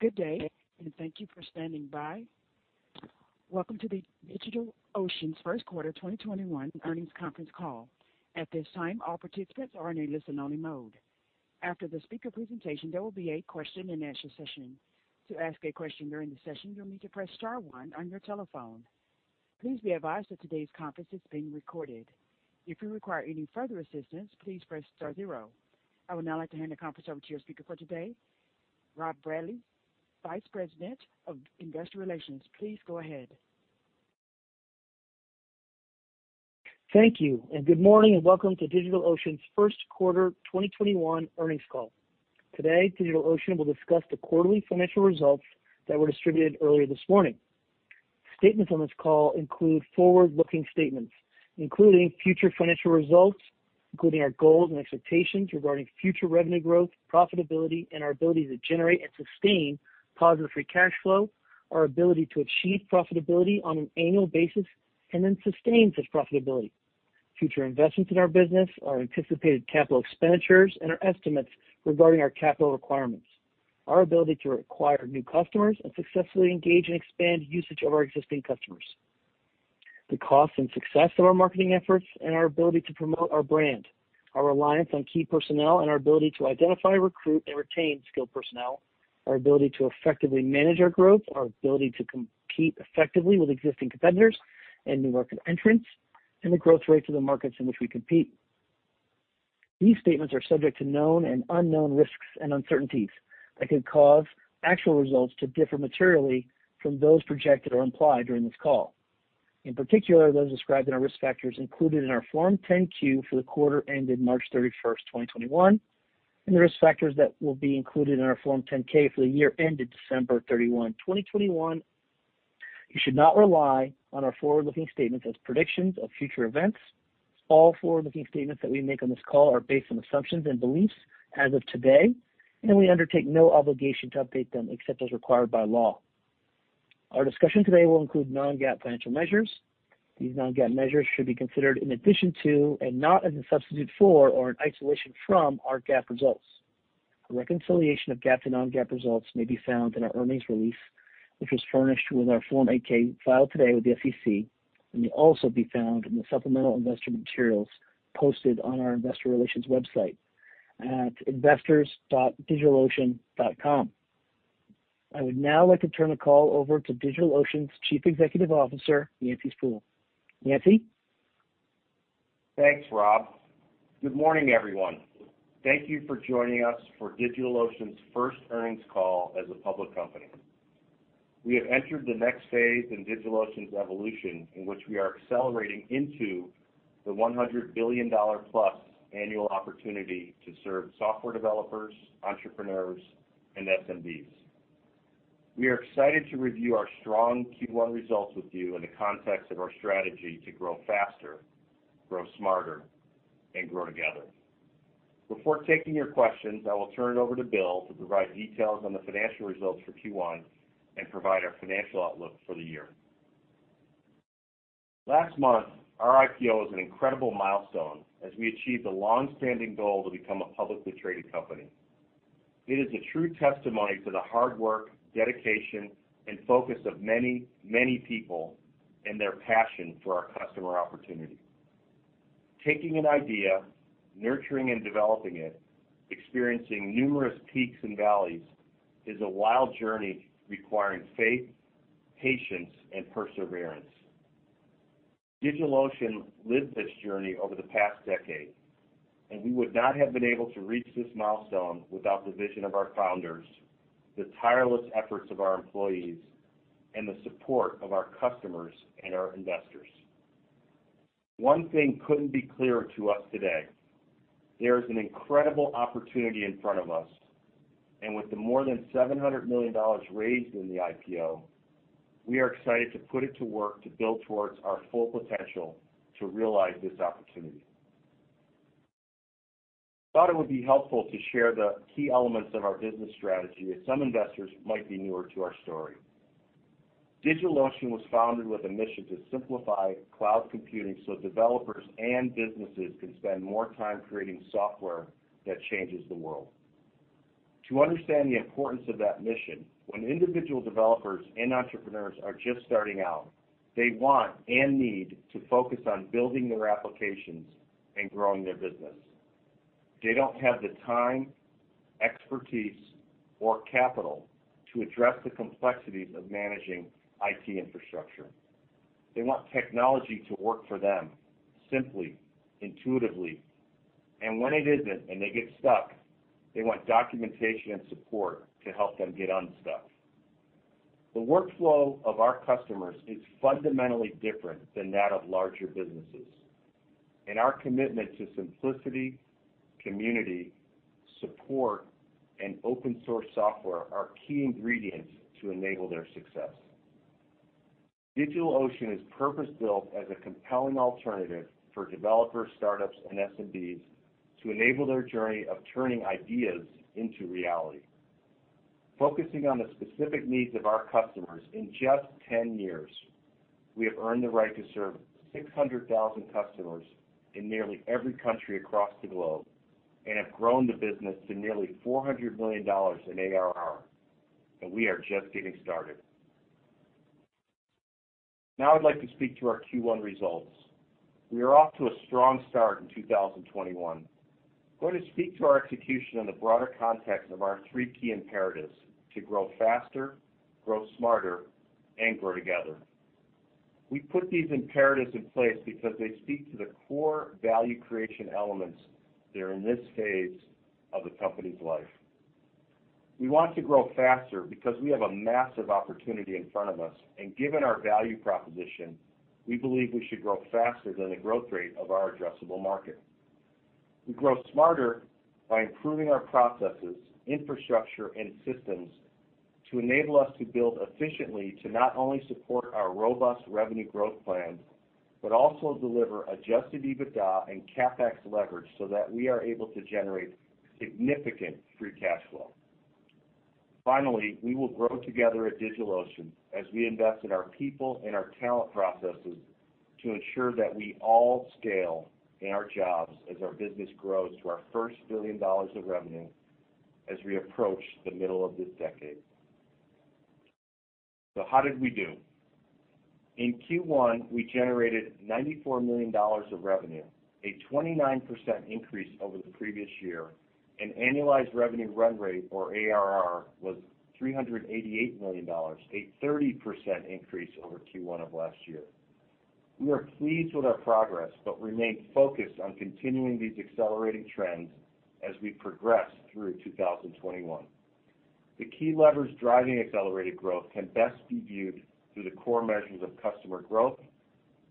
Good day, and thank you for standing by. Welcome to DigitalOcean's first quarter 2021 earnings conference call. At this time, all participants are in a listen-only mode. After the speaker presentation, there will be a question-and-answer session. To ask a question during the session, you'll need to press star one on your telephone. Please be advised that today's conference is being recorded. If you require any further assistance, please press star zero. I would now like to hand the conference over to your speaker for today, Rob Bradley, Vice President of Investor Relations. Please go ahead. Thank you. Good morning, and welcome to DigitalOcean's first quarter 2021 earnings call. Today, DigitalOcean will discuss the quarterly financial results that were distributed earlier this morning. Statements on this call include forward-looking statements, including future financial results, including our goals and expectations regarding future revenue growth, profitability, and our ability to generate and sustain positive free cash flow, our ability to achieve profitability on an annual basis and then sustain such profitability, future investments in our business, our anticipated capital expenditures, and our estimates regarding our capital requirements, our ability to acquire new customers and successfully engage and expand usage of our existing customers, the cost and success of our marketing efforts, and our ability to promote our brand, our reliance on key personnel and our ability to identify, recruit, and retain skilled personnel, our ability to effectively manage our growth, our ability to compete effectively with existing competitors and new market entrants, and the growth rates of the markets in which we compete. These statements are subject to known and unknown risks and uncertainties that could cause actual results to differ materially from those projected or implied during this call. In particular, those described in our risk factors included in our Form 10-Q for the quarter ended March 31st, 2021, and the risk factors that will be included in our Form 10-K for the year ended December 31, 2021. You should not rely on our forward-looking statements as predictions of future events. All forward-looking statements that we make on this call are based on assumptions and beliefs as of today, we undertake no obligation to update them except as required by law. Our discussion today will include non-GAAP financial measures. These non-GAAP measures should be considered in addition to and not as a substitute for or an isolation from our GAAP results. A reconciliation of GAAP to non-GAAP results may be found in our earnings release, which was furnished with our Form 8-K filed today with the SEC and may also be found in the supplemental investor materials posted on our investor relations website at investors.digitalocean.com. I would now like to turn the call over to DigitalOcean's Chief Executive Officer, Yancey Spruill. Yancey? Thanks, Rob. Good morning, everyone. Thank you for joining us for DigitalOcean's first earnings call as a public company. We have entered the next phase in DigitalOcean's evolution in which we are accelerating into the $100+ billion annual opportunity to serve software developers, entrepreneurs, and SMBs. We are excited to review our strong Q1 results with you in the context of our strategy to grow faster, grow smarter, and grow together. Before taking your questions, I will turn it over to Bill to provide details on the financial results for Q1 and provide our financial outlook for the year. Last month, our IPO was an incredible milestone as we achieved the longstanding goal to become a publicly traded company. It is a true testimony to the hard work, dedication, and focus of many, many people and their passion for our customer opportunity. Taking an idea, nurturing and developing it, experiencing numerous peaks and valleys is a wild journey requiring faith, patience, and perseverance. DigitalOcean lived this journey over the past decade, and we would not have been able to reach this milestone without the vision of our founders, the tireless efforts of our employees, and the support of our customers and our investors. One thing couldn't be clearer to us today. There is an incredible opportunity in front of us, and with the more than $700 million raised in the IPO, we are excited to put it to work to build towards our full potential to realize this opportunity. I thought it would be helpful to share the key elements of our business strategy, as some investors might be newer to our story. DigitalOcean was founded with a mission to simplify cloud computing so developers and businesses can spend more time creating software that changes the world. To understand the importance of that mission, when individual developers and entrepreneurs are just starting out, they want and need to focus on building their applications and growing their business. They don't have the time, expertise, or capital to address the complexities of managing IT infrastructure. They want technology to work for them simply, intuitively, and when it isn't and they get stuck, they want documentation and support to help them get unstuck. The workflow of our customers is fundamentally different than that of larger businesses, and our commitment to simplicity, community, support, and open-source software are key ingredients to enable their success. DigitalOcean is purpose-built as a compelling alternative for developers, startups, and SMBs to enable their journey of turning ideas into reality. Focusing on the specific needs of our customers in just 10 years. We have earned the right to serve 600,000 customers in nearly every country across the globe and have grown the business to nearly $400 million in ARR. We are just getting started. I'd like to speak to our Q1 results. We are off to a strong start in 2021. I'm going to speak to our execution in the broader context of our three key imperatives to grow faster, grow smarter, and grow together. We put these imperatives in place because they speak to the core value creation elements that are in this phase of the company's life. We want to grow faster because we have a massive opportunity in front of us, given our value proposition, we believe we should grow faster than the growth rate of our addressable market. We grow smarter by improving our processes, infrastructure, and systems to enable us to build efficiently to not only support our robust revenue growth plan, but also deliver adjusted EBITDA and CapEx leverage so that we are able to generate significant free cash flow. Finally, we will grow together at DigitalOcean as we invest in our people and our talent processes to ensure that we all scale in our jobs as our business grows to our first $1 billion of revenue as we approach the middle of this decade. How did we do? In Q1, we generated $94 million of revenue, a 29% increase over the previous year, and annualized revenue run rate or ARR was $388 million, a 30% increase over Q1 of last year. We are pleased with our progress, but remain focused on continuing these accelerating trends as we progress through 2021. The key levers driving accelerated growth can best be viewed through the core measures of customer growth,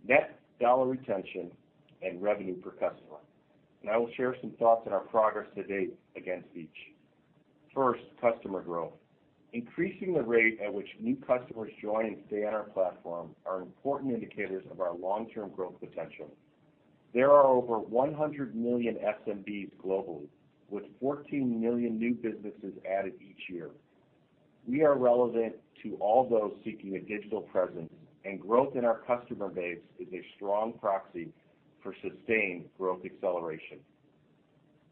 Net Dollar Retention, and revenue per customer. I will share some thoughts on our progress to date against each. First, customer growth. Increasing the rate at which new customers join and stay on our platform are important indicators of our long-term growth potential. There are over 100 million SMBs globally, with 14 million new businesses added each year. We are relevant to all those seeking a digital presence, and growth in our customer base is a strong proxy for sustained growth acceleration.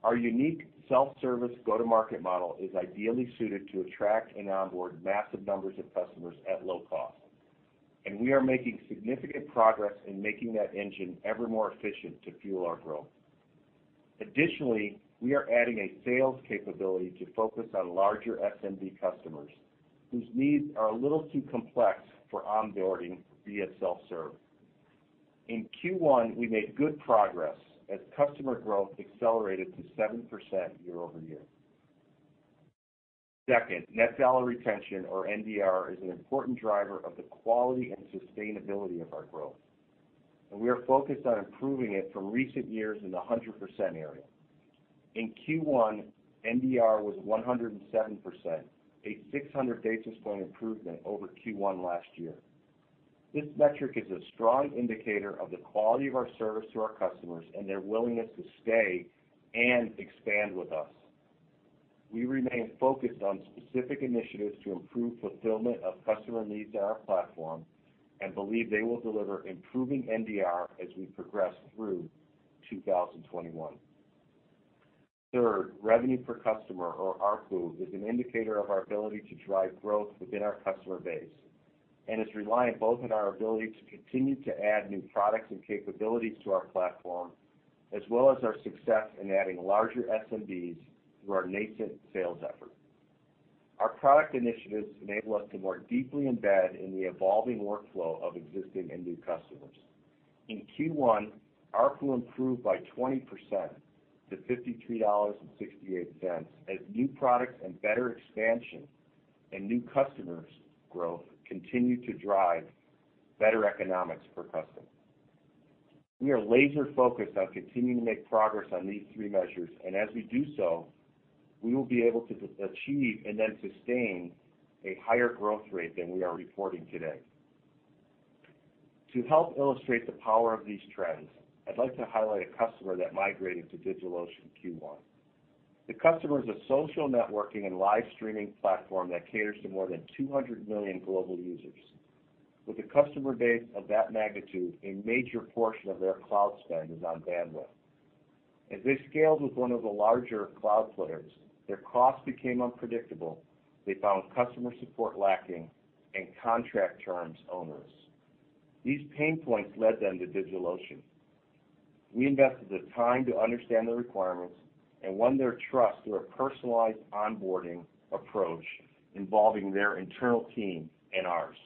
Our unique self-service go-to-market model is ideally suited to attract and onboard massive numbers of customers at low cost, and we are making significant progress in making that engine ever more efficient to fuel our growth. Additionally, we are adding a sales capability to focus on larger SMB customers whose needs are a little too complex for onboarding via self-serve. In Q1, we made good progress as customer growth accelerated to 7% year-over-year. Second, net dollar retention, or NDR, is an important driver of the quality and sustainability of our growth, and we are focused on improving it from recent years in the 100% area. In Q1, NDR was 107%, a 600 basis points improvement over Q1 last year. This metric is a strong indicator of the quality of our service to our customers and their willingness to stay and expand with us. We remain focused on specific initiatives to improve fulfillment of customer needs on our platform and believe they will deliver improving NDR as we progress through 2021. Third, revenue per customer, or ARPU, is an indicator of our ability to drive growth within our customer base and is reliant both on our ability to continue to add new products and capabilities to our platform, as well as our success in adding larger SMBs through our nascent sales effort. Our product initiatives enable us to more deeply embed in the evolving workflow of existing and new customers. In Q1, ARPU improved by 20% to $53.68 as new products and better expansion and new customers growth continue to drive better economics per customer. We are laser-focused on continuing to make progress on these three measures, and as we do so, we will be able to achieve and then sustain a higher growth rate than we are reporting today. To help illustrate the power of these trends, I'd like to highlight a customer that migrated to DigitalOcean Q1. The customer is a social networking and live streaming platform that caters to more than 200 million global users. With a customer base of that magnitude, a major portion of their cloud spend is on bandwidth. As they scaled with one of the larger cloud players, their costs became unpredictable. They found customer support lacking and contract terms onerous. These pain points led them to DigitalOcean. We invested the time to understand their requirements and won their trust through a personalized onboarding approach involving their internal team and ours.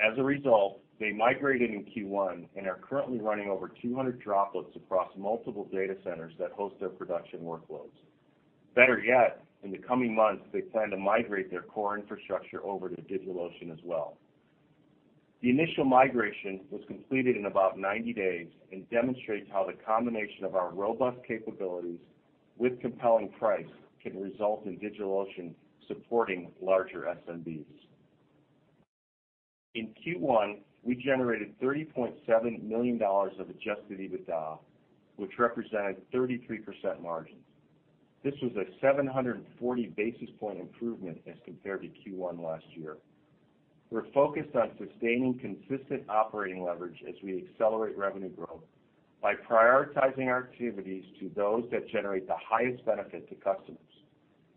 As a result, they migrated in Q1 and are currently running over 200 Droplets across multiple data centers that host their production workloads. Better yet, in the coming months, they plan to migrate their core infrastructure over to DigitalOcean as well. The initial migration was completed in about 90 days and demonstrates how the combination of our robust capabilities with compelling price can result in DigitalOcean supporting larger SMBs. In Q1, we generated $30.7 million of adjusted EBITDA, which represented 33% margins. This was a 740 basis point improvement as compared to Q1 last year. We're focused on sustaining consistent operating leverage as we accelerate revenue growth by prioritizing our activities to those that generate the highest benefit to customers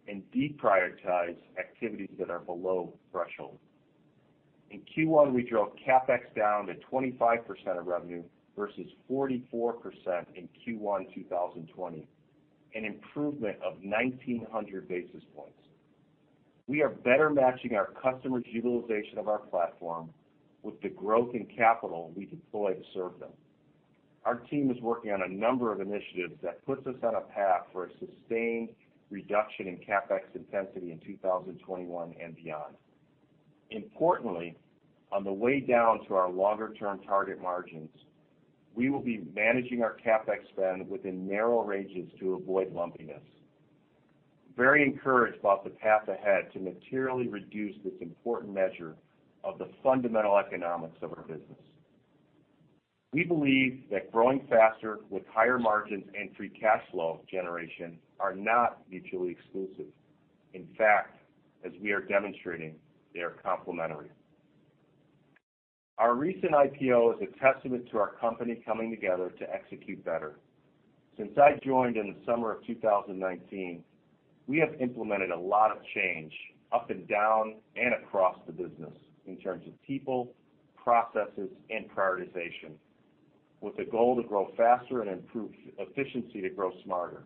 and deprioritize activities that are below threshold. In Q1, we drove CapEx down to 25% of revenue versus 44% in Q1 2020, an improvement of 1,900 basis points. We are better matching our customers' utilization of our platform with the growth in capital we deploy to serve them. Our team is working on a number of initiatives that puts us on a path for a sustained reduction in CapEx intensity in 2021 and beyond. Importantly, on the way down to our longer-term target margins, we will be managing our CapEx spend within narrow ranges to avoid lumpiness. Very encouraged about the path ahead to materially reduce this important measure of the fundamental economics of our business. We believe that growing faster with higher margins and free cash flow generation are not mutually exclusive. In fact, as we are demonstrating, they are complementary. Our recent IPO is a testament to our company coming together to execute better. Since I joined in the summer of 2019, we have implemented a lot of change up and down and across the business in terms of people, processes, and prioritization, with a goal to grow faster and improve efficiency to grow smarter.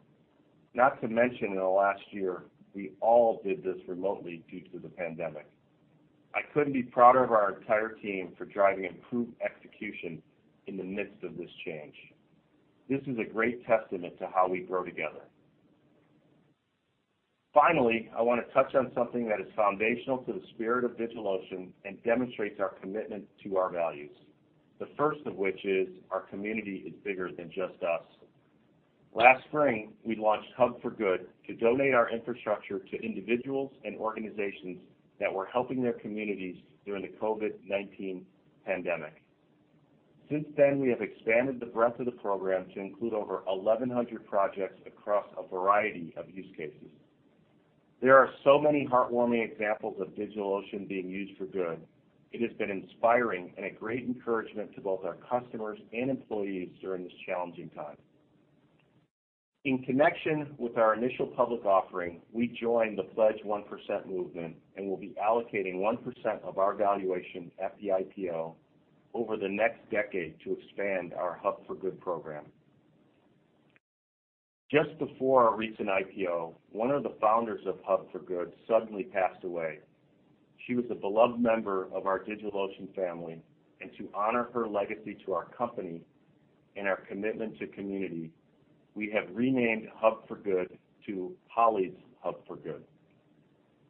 Not to mention, in the last year, we all did this remotely due to the pandemic. I couldn't be prouder of our entire team for driving improved execution in the midst of this change. This is a great testament to how we grow together. Finally, I want to touch on something that is foundational to the spirit of DigitalOcean and demonstrates our commitment to our values. The first of which is our community is bigger than just us. Last spring, we launched Hub for Good to donate our infrastructure to individuals and organizations that were helping their communities during the COVID-19 pandemic. Since then, we have expanded the breadth of the program to include over 1,100 projects across a variety of use cases. There are so many heartwarming examples of DigitalOcean being used for good. It has been inspiring and a great encouragement to both our customers and employees during this challenging time. In connection with our initial public offering, we joined the Pledge 1% movement and will be allocating 1% of our valuation at the IPO over the next decade to expand our Hub for Good program. Just before our recent IPO, one of the founders of Hub for Good suddenly passed away. She was a beloved member of our DigitalOcean family, and to honor her legacy to our company and our commitment to community, we have renamed Hub for Good to Holly's Hub for Good.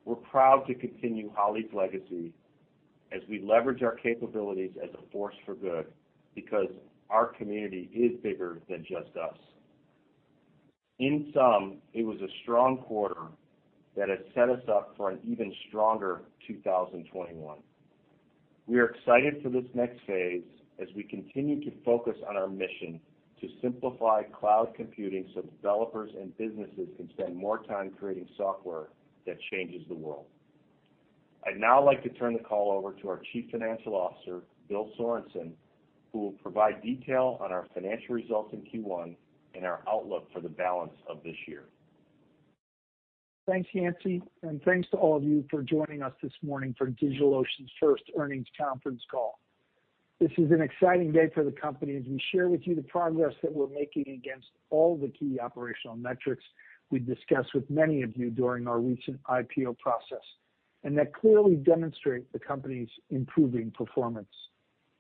We're proud to continue Holly's legacy as we leverage our capabilities as a force for good because our community is bigger than just us. In sum, it was a strong quarter that has set us up for an even stronger 2021. We are excited for this next phase as we continue to focus on our mission to simplify cloud computing so developers and businesses can spend more time creating software that changes the world. I'd now like to turn the call over to our Chief Financial Officer, Bill Sorenson, who will provide detail on our financial results in Q1 and our outlook for the balance of this year. Thanks, Yancey, and thanks to all of you for joining us this morning for DigitalOcean's first earnings conference call. This is an exciting day for the company as we share with you the progress that we're making against all the key operational metrics we discussed with many of you during our recent IPO process, and that clearly demonstrate the company's improving performance.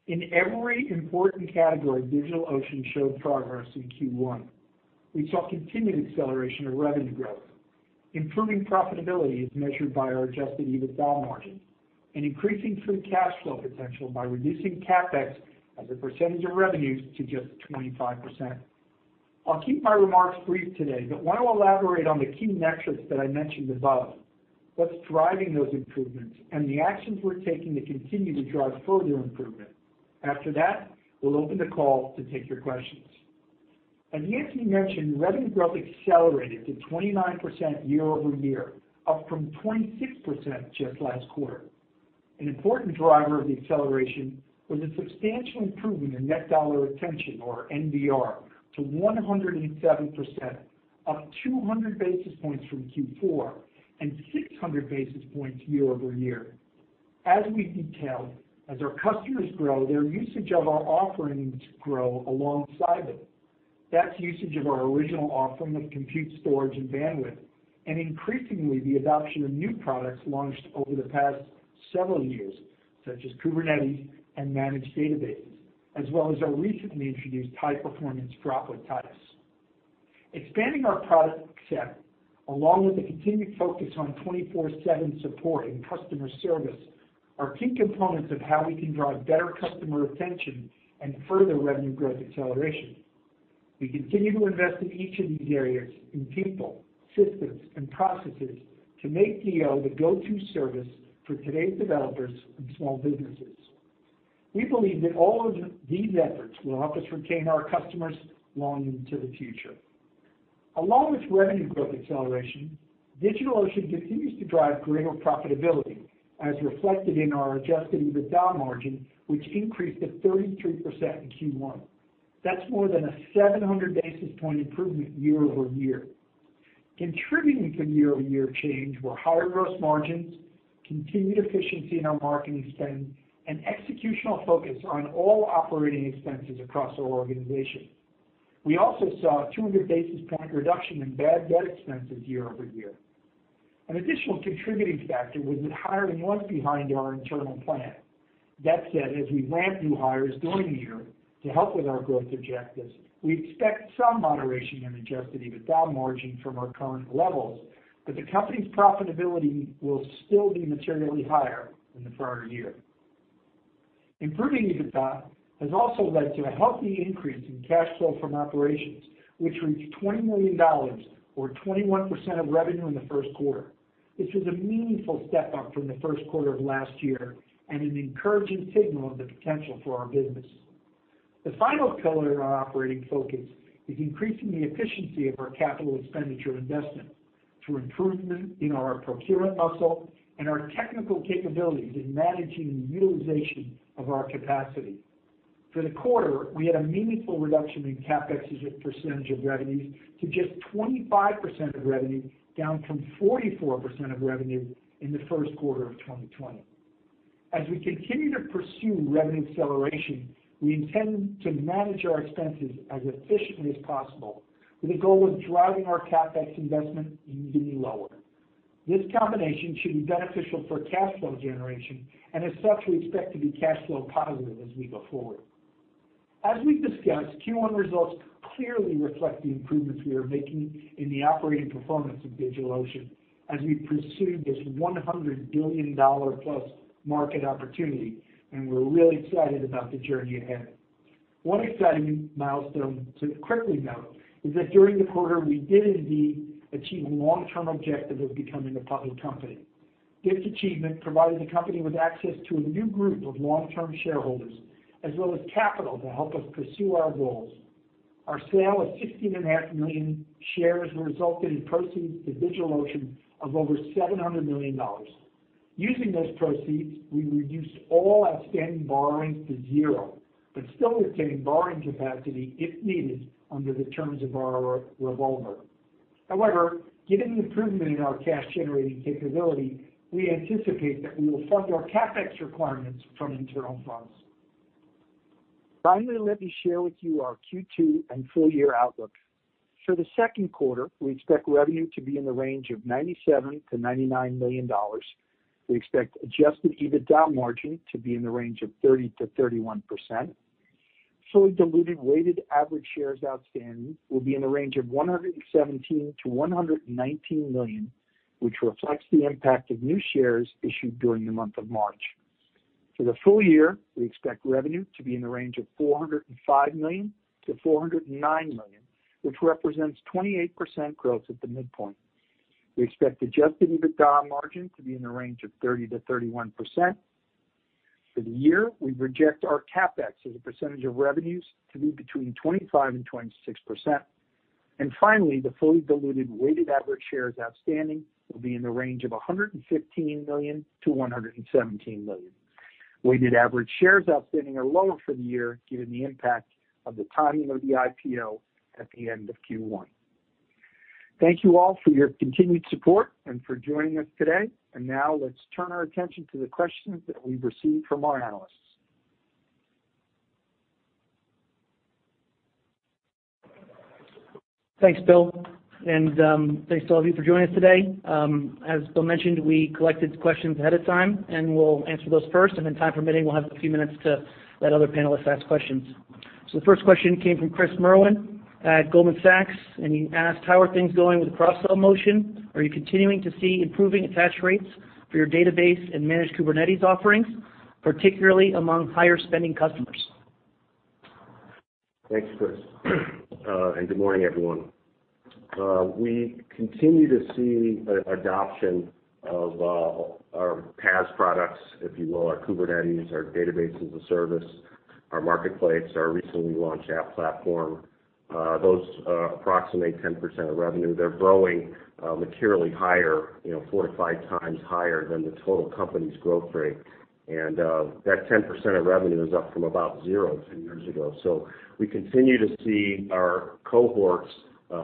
In every important category, DigitalOcean showed progress in Q1. We saw continued acceleration of revenue growth, improving profitability as measured by our adjusted EBITDA margin, and increasing free cash flow potential by reducing CapEx as a percentage of revenues to just 25%. I'll keep my remarks brief today, but want to elaborate on the key metrics that I mentioned above, what's driving those improvements, and the actions we're taking to continue to drive further improvement. After that, we'll open the call to take your questions. As Yancey mentioned, revenue growth accelerated to 29% year-over-year, up from 26% just last quarter. An important driver of the acceleration was a substantial improvement in net dollar retention, or NDR, to 107%, up 200 basis points from Q4 and 600 basis points year-over-year. As we detailed, as our customers grow, their usage of our offerings grow alongside it. That's usage of our original offering of compute storage and bandwidth, and increasingly the adoption of new products launched over the past several years, such as Kubernetes and Managed Databases, as well as our recently introduced high-performance droplet types. Expanding our product set, along with a continued focus on 24/7 support and customer service, are key components of how we can drive better customer retention and further revenue growth acceleration. We continue to invest in each of these areas in people, systems, and processes to make DO the go-to service for today's developers and small businesses. We believe that all of these efforts will help us retain our customers long into the future. Along with revenue growth acceleration, DigitalOcean continues to drive greater profitability, as reflected in our adjusted EBITDA margin, which increased to 33% in Q1. That's more than a 700 basis point improvement year-over-year. Contributing to year-over-year change were higher gross margins, continued efficiency in our marketing spend, and executional focus on all operating expenses across our organization. We also saw a 200 basis point reduction in bad debt expenses year-over-year. An additional contributing factor was that hiring was behind our internal plan. That said, as we ramp new hires during the year to help with our growth objectives, we expect some moderation in adjusted EBITDA margin from our current levels, but the company's profitability will still be materially higher than the prior year. Improving EBITDA has also led to a healthy increase in cash flow from operations, which reached $20 million, or 21% of revenue in the first quarter. This was a meaningful step-up from the first quarter of last year and an encouraging signal of the potential for our business. The final pillar of our operating focus is increasing the efficiency of our capital expenditure investment through improvement in our procurement muscle and our technical capabilities in managing the utilization of our capacity. For the quarter, we had a meaningful reduction in CapEx as a percentage of revenues to just 25% of revenue, down from 44% of revenue in the first quarter of 2020. As we continue to pursue revenue acceleration, we intend to manage our expenses as efficiently as possible with a goal of driving our CapEx investment even lower. This combination should be beneficial for cash flow generation. As such, we expect to be cash flow positive as we go forward. As we've discussed, Q1 results clearly reflect the improvements we are making in the operating performance of DigitalOcean as we pursue this $100+ billion market opportunity. We're really excited about the journey ahead. One exciting milestone to quickly note is that during the quarter, we did indeed achieve the long-term objective of becoming a public company. This achievement provided the company with access to a new group of long-term shareholders, as well as capital to help us pursue our goals. Our sale of 16.5 million shares resulted in proceeds to DigitalOcean of over $700 million. Using those proceeds, we reduced all outstanding borrowings to zero, but still retain borrowing capacity if needed under the terms of our revolver. However, given the improvement in our cash-generating capability, we anticipate that we will fund our CapEx requirements from internal funds. Finally, let me share with you our Q2 and full year outlook. For the second quarter, we expect revenue to be in the range of $97 million-$99 million. We expect adjusted EBITDA margin to be in the range of 30%-31%. Fully diluted weighted average shares outstanding will be in the range of 117 million-119 million, which reflects the impact of new shares issued during the month of March. For the full year, we expect revenue to be in the range of $405 million-$409 million, which represents 28% growth at the midpoint. We expect adjusted EBITDA margin to be in the range of 30%-31%. For the year, we project our CapEx as a percentage of revenues to be between 25% and 26%. Finally, the fully diluted weighted average shares outstanding will be in the range of 115 million-117 million. Weighted average shares outstanding are lower for the year, given the impact of the timing of the IPO at the end of Q1. Thank you all for your continued support and for joining us today. Now, let's turn our attention to the questions that we've received from our analysts. Thanks, Bill, and thanks to all of you for joining us today. As Bill mentioned, we collected questions ahead of time, and we'll answer those first, and then time permitting, we'll have a few minutes to let other panelists ask questions. The first question came from Chris Merwin at Goldman Sachs, and he asked, "How are things going with the cross-sell motion? Are you continuing to see improving attach rates for your database and managed Kubernetes offerings, particularly among higher-spending customers? Thanks, Chris, good morning, everyone. We continue to see adoption of our PaaS products, if you will, our Kubernetes, our Database as a Service, our Marketplace, our recently launched App Platform. Those approximate 10% of revenue. They're growing materially higher, four to five times higher than the total company's growth rate. That 10% of revenue is up from about zero two years ago. We continue to see our cohorts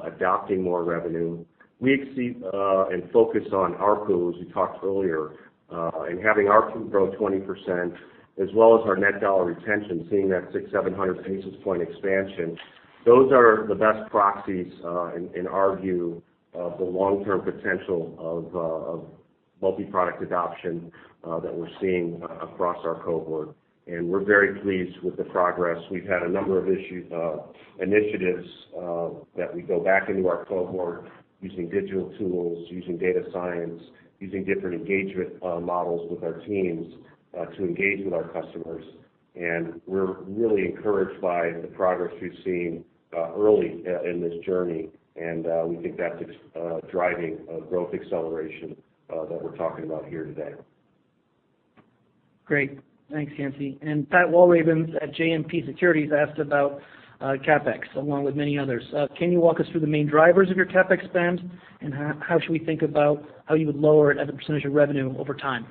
adopting more revenue. We exceed and focus on ARPU, as we talked earlier, and having ARPU grow 20%, as well as our net dollar retention, seeing that 600-700 basis point expansion. Those are the best proxies, in our view, of the long-term potential of multi-product adoption that we're seeing across our cohort, and we're very pleased with the progress. We've had a number of initiatives that we go back into our cohort using digital tools, using data science, using different engagement models with our teams to engage with our customers. We're really encouraged by the progress we've seen early in this journey, and we think that's driving growth acceleration that we're talking about here today. Great. Thanks, Yancey. Pat Walravens at JMP Securities asked about CapEx, along with many others. Can you walk us through the main drivers of your CapEx spend, and how should we think about how you would lower it as a percentage of revenue over time?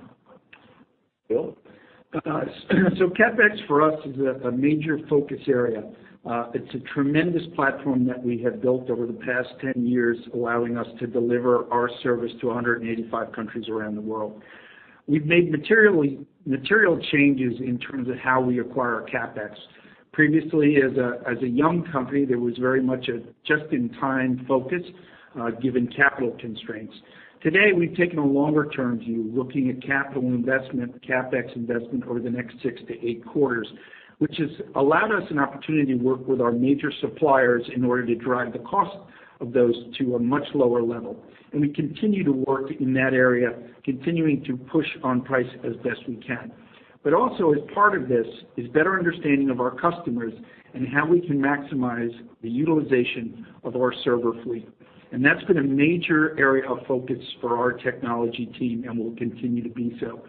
Bill? CapEx for us is a major focus area. It's a tremendous platform that we have built over the past 10 years, allowing us to deliver our service to 185 countries around the world. We've made material changes in terms of how we acquire our CapEx. Previously, as a young company, there was very much a just-in-time focus, given capital constraints. Today, we've taken a longer-term view, looking at capital investment, CapEx investment, over the next six to eight quarters, which has allowed us an opportunity to work with our major suppliers in order to drive the cost of those to a much lower level. We continue to work in that area, continuing to push on price as best we can. Also, as part of this, is better understanding of our customers and how we can maximize the utilization of our server fleet. That's been a major area of focus for our technology team and will continue to be so.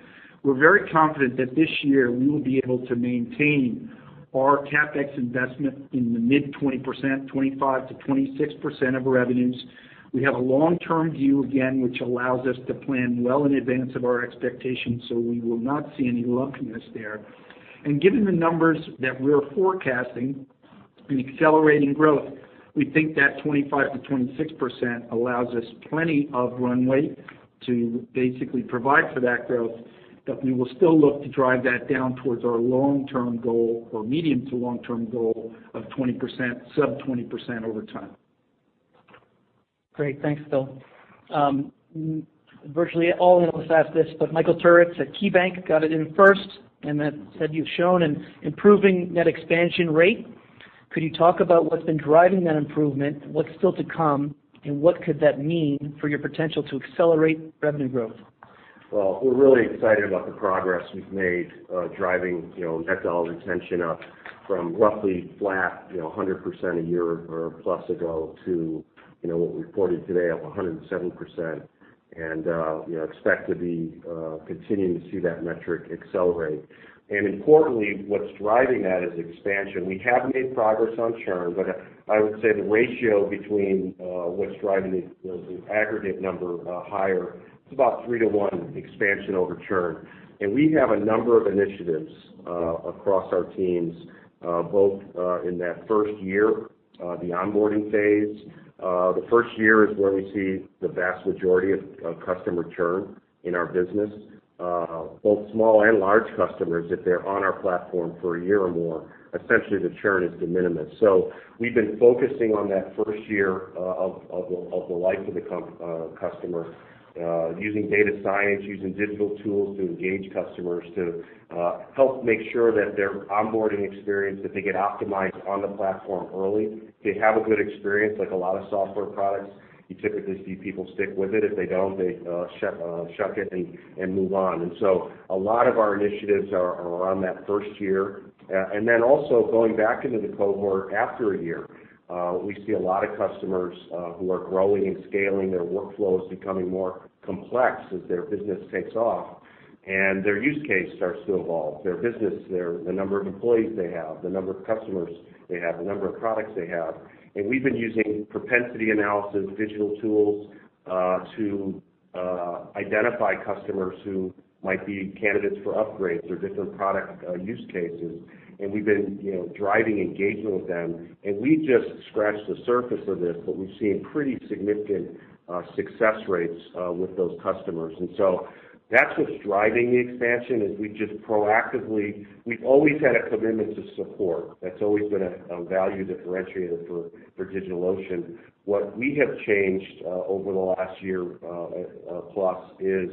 We're very confident that this year we will be able to maintain our CapEx investment in the mid 20%, 25%-26% of revenues. We have a long-term view, again, which allows us to plan well in advance of our expectations, so we will not see any lumpiness there. Given the numbers that we're forecasting in accelerating growth, we think that 25%-26% allows us plenty of runway to basically provide for that growth, but we will still look to drive that down towards our long-term goal, or medium to long-term goal, of 20%, sub 20% over time. Great. Thanks, Bill. Virtually all analysts ask this, but Michael Turits at KeyBanc got it in first, and that said you've shown an improving net expansion rate. Could you talk about what's been driving that improvement, what's still to come, and what could that mean for your potential to accelerate revenue growth? Well, we're really excited about the progress we've made driving Net Dollar Retention up from roughly flat 100% a year or plus ago to what we reported today of 107%, and expect to be continuing to see that metric accelerate. Importantly, what's driving that is expansion. We have made progress on churn, but I would say the ratio between what's driving the aggregate number higher, it's about 3:1 expansion over churn. We have a number of initiatives across our teams, both in that first year, the onboarding phase. The first year is where we see the vast majority of customer churn in our business. Both small and large customers, if they're on our platform for a year or more, essentially the churn is de minimis. We've been focusing on that first year of the life of the customer, using data science, using digital tools to engage customers to help make sure that their onboarding experience, that they get optimized on the platform early. They have a good experience, like a lot of software products, you typically see people stick with it. If they don't, they shuck it and move on. A lot of our initiatives are around that first year. Also going back into the cohort after a year. We see a lot of customers who are growing and scaling, their workflow is becoming more complex as their business takes off, and their use case starts to evolve. Their business, the number of employees they have, the number of customers they have, the number of products they have. We've been using propensity analysis, digital tools, to identify customers who might be candidates for upgrades or different product use cases. We've been driving engagement with them. We've just scratched the surface of this, but we've seen pretty significant success rates with those customers. That's what's driving the expansion, is we've just proactively. We've always had a commitment to support. That's always been a value differentiator for DigitalOcean. What we have changed over the last year plus is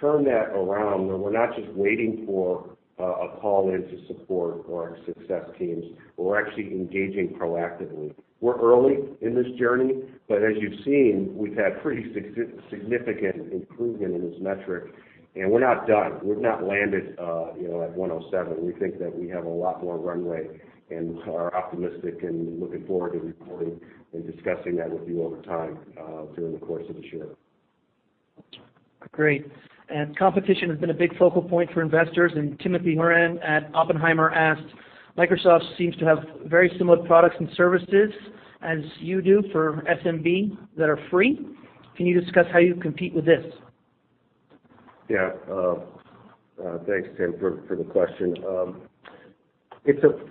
turn that around where we're not just waiting for a call in to support or our success teams. We're actually engaging proactively. We're early in this journey, but as you've seen, we've had pretty significant improvement in this metric, and we're not done. We've not landed at 107. We think that we have a lot more runway and are optimistic and looking forward to reporting and discussing that with you over time during the course of this year. Great. Competition has been a big focal point for investors. Timothy Horan at Oppenheimer asked, Microsoft seems to have very similar products and services as you do for SMB that are free. Can you discuss how you compete with this? Thanks, Tim, for the question.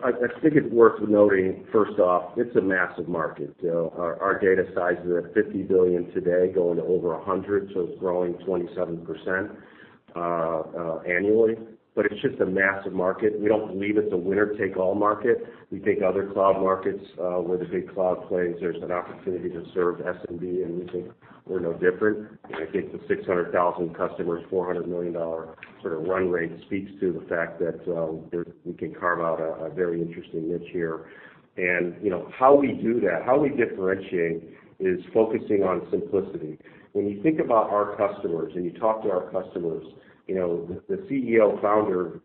I think it's worth noting, first off, it's a massive market. Our data size is at $50 billion today, going to over $100 billion, so it's growing 27% annually. It's just a massive market. We don't believe it's a winner-take-all market. We think other cloud markets, where the big cloud plays, there's an opportunity to serve SMB, and we think we're no different. I think the 600,000 customers, $400 million sort of run rate speaks to the fact that we can carve out a very interesting niche here. How we do that, how we differentiate, is focusing on simplicity. When you think about our customers and you talk to our customers, the CEO founder,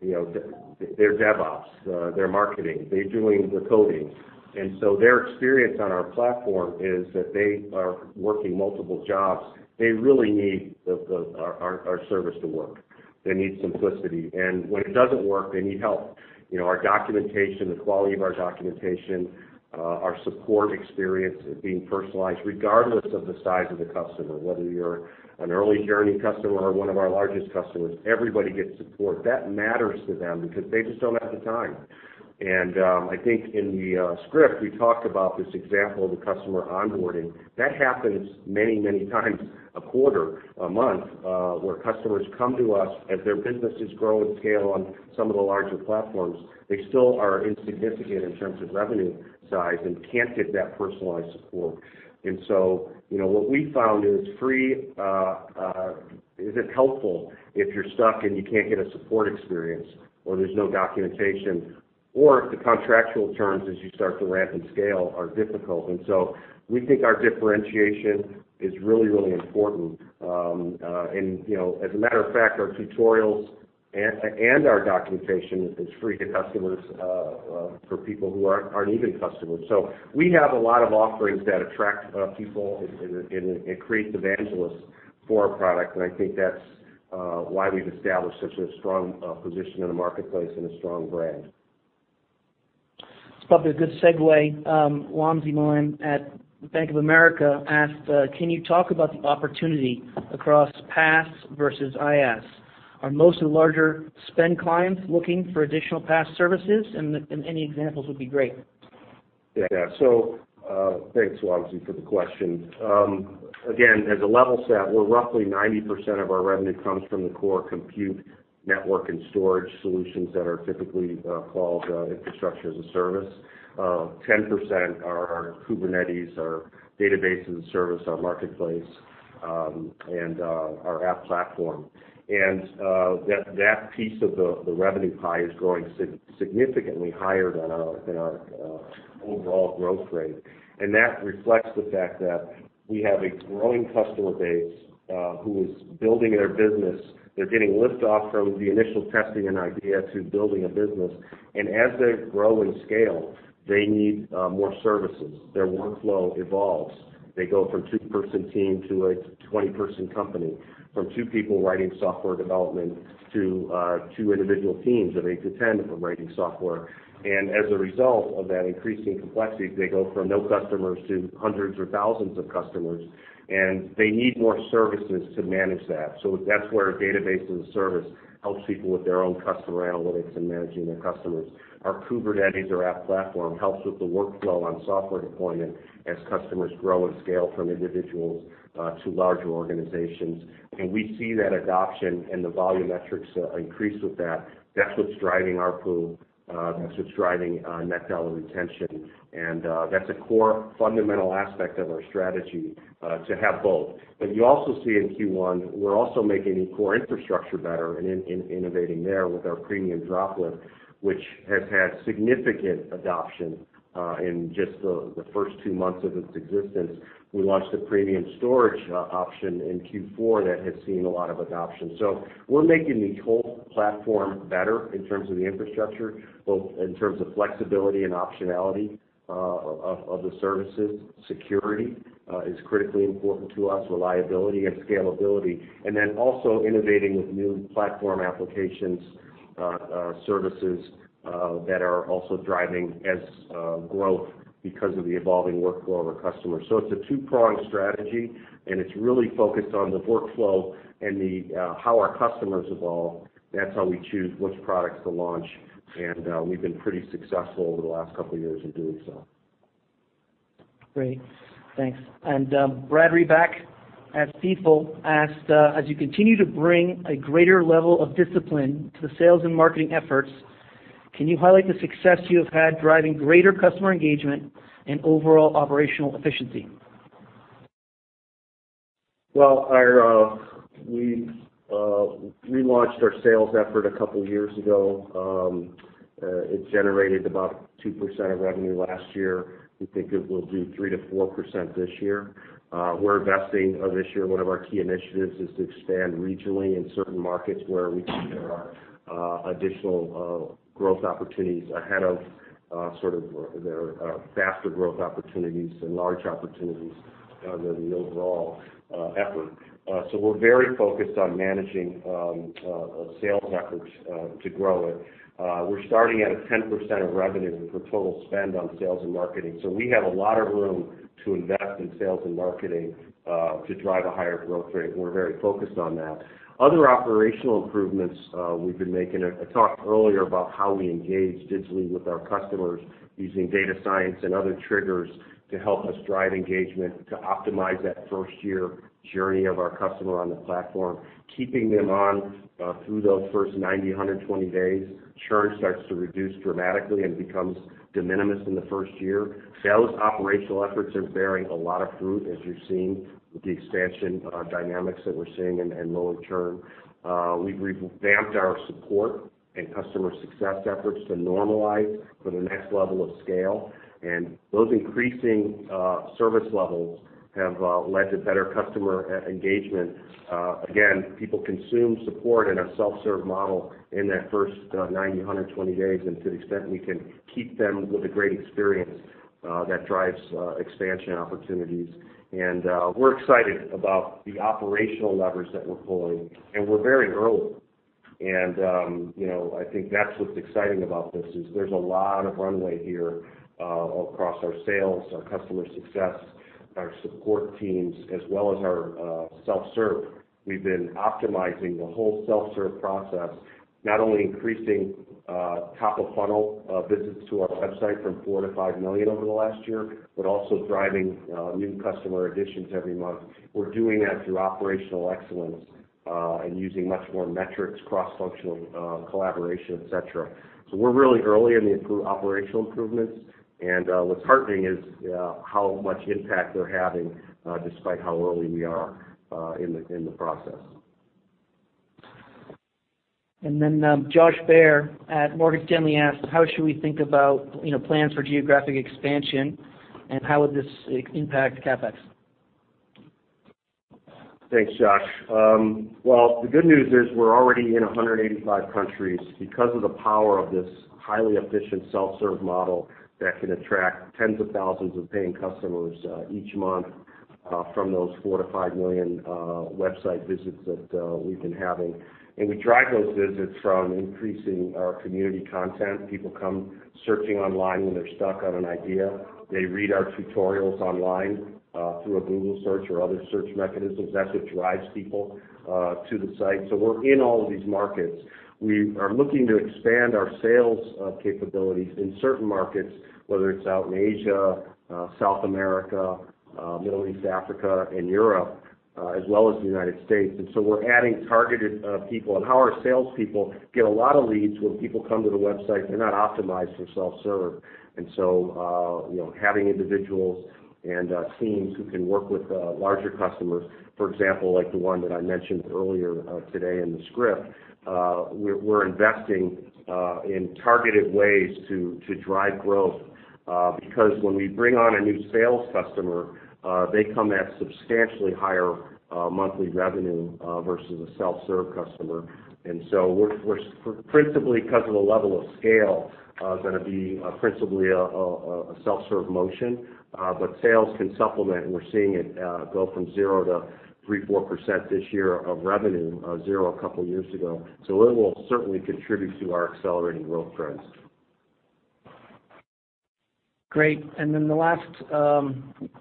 they're DevOps, they're marketing, they're doing the coding. Their experience on our platform is that they are working multiple jobs. They really need our service to work. They need simplicity. When it doesn't work, they need help. Our documentation, the quality of our documentation, our support experience being personalized regardless of the size of the customer, whether you're an early journey customer or one of our largest customers, everybody gets support. That matters to them because they just don't have the time. I think in the script, we talked about this example of the customer onboarding. That happens many times a quarter, a month, where customers come to us as their businesses grow and scale on some of the larger platforms. They still are insignificant in terms of revenue size and can't get that personalized support. What we found is free isn't helpful if you're stuck and you can't get a support experience, or there's no documentation, or if the contractual terms, as you start to ramp and scale, are difficult. We think our differentiation is really important. As a matter of fact, our tutorials and our documentation is free to customers, for people who aren't even customers. We have a lot of offerings that attract people and it creates evangelists for our product, and I think that's why we've established such a strong position in the marketplace and a strong brand. It's probably a good segue. Wamsi Mohan at Bank of America asked, "Can you talk about the opportunity across PaaS versus IaaS? Are most of the larger spend clients looking for additional PaaS services? Any examples would be great. Thanks, Wamsi, for the question. Again, as a level set, where roughly 90% of our revenue comes from the core compute network and storage solutions that are typically called infrastructure as a service. 10% are our Kubernetes, our database as a service, our Marketplace, and our App Platform. That piece of the revenue pie is growing significantly higher than our overall growth rate. That reflects the fact that we have a growing customer base who is building their business. They're getting lift-off from the initial testing an idea to building a business. As they grow and scale, they need more services. Their workflow evolves. They go from two-person team to a 20-person company, from two people writing software development to two individual teams of eight to 10 from writing software. As a result of that increasing complexity, they go from no customers to hundreds or thousands of customers, and they need more services to manage that. That's where database as a service helps people with their own customer analytics and managing their customers. Our Kubernetes, our App Platform, helps with the workflow on software deployment as customers grow and scale from individuals to larger organizations. We see that adoption and the volume metrics increase with that. That's what's driving ARPU. That's what's driving Net Dollar Retention. That's a core fundamental aspect of our strategy, to have both. You also see in Q1, we're also making the core infrastructure better and innovating there with our Premium Droplet, which has had significant adoption in just the first two months of its existence. We launched a Premium Storage option in Q4 that has seen a lot of adoption. We're making the whole platform better in terms of the infrastructure, both in terms of flexibility and optionality of the services. Security is critically important to us, reliability and scalability. Then also innovating with new platform applications, services that are also driving as growth because of the evolving workflow of our customers. It's a two-pronged strategy, and it's really focused on the workflow and how our customers evolve. That's how we choose which products to launch. We've been pretty successful over the last couple of years in doing so. Great. Thanks. Brad Reback at Stifel asked, "As you continue to bring a greater level of discipline to the sales and marketing efforts, can you highlight the success you have had driving greater customer engagement and overall operational efficiency? We relaunched our sales effort a couple of years ago. It generated about 2% of revenue last year. We think it will do 3%-4% this year. We're investing this year. One of our key initiatives is to expand regionally in certain markets where we think there are additional growth opportunities ahead of sort of their faster growth opportunities and large opportunities than the overall effort. We're very focused on managing our sales efforts to grow it. We're starting at 10% of revenue for total spend on sales and marketing. We have a lot of room to invest in sales and marketing to drive a higher growth rate. We're very focused on that. Other operational improvements we've been making, I talked earlier about how we engage digitally with our customers using data science and other triggers to help us drive engagement to optimize that first-year journey of our customer on the platform, keeping them on through those first 90, 120 days. Churn starts to reduce dramatically and becomes de minimis in the first year. Sales operational efforts are bearing a lot of fruit, as you've seen with the expansion dynamics that we're seeing in lower churn. We've revamped our support and customer success efforts to normalize for the next level of scale, and those increasing service levels have led to better customer engagement. Again, people consume support in a self-serve model in that first 90, 120 days, and to the extent we can keep them with a great experience, that drives expansion opportunities. We're excited about the operational levers that we're pulling. We're very early. I think that's what's exciting about this, is there's a lot of runway here across our sales, our customer success, our support teams, as well as our self-serve. We've been optimizing the whole self-serve process, not only increasing top-of-funnel visits to our website from 4 million-5 million over the last year, but also driving new customer additions every month. We're doing that through operational excellence and using many more metrics, cross-functional collaboration, et cetera. We're really early in the operational improvements. What's heartening is how much impact they're having, despite how early we are in the process. Josh Baer at Morgan Stanley asked, "How should we think about plans for geographic expansion, and how would this impact CapEx? Thanks, Josh. Well, the good news is we're already in 185 countries because of the power of this highly efficient self-serve model that can attract tens of thousands of paying customers each month from those 4 million to 5 million website visits that we've been having. We drive those visits from increasing our community content. People come searching online when they're stuck on an idea. They read our tutorials online through a Google search or other search mechanisms. That's what drives people to the site. We're in all of these markets. We are looking to expand our sales capabilities in certain markets, whether it's out in Asia, South America, Middle East, Africa, and Europe, as well as the United States. We're adding targeted people. Our salespeople get a lot of leads when people come to the website. They're not optimized for self-serve. Having individuals and teams who can work with larger customers, for example, like the one that I mentioned earlier today in the script, we're investing in targeted ways to drive growth. Because when we bring on a new sales customer, they come at substantially higher monthly revenue versus a self-serve customer. We're, principally because of the level of scale, going to be principally a self-serve motion. Sales can supplement, and we're seeing it go from 0%-3%, 4% this year of revenue, 0% a couple of years ago. It will certainly contribute to our accelerating growth trends. Great. The last